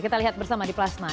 kita lihat bersama di plasma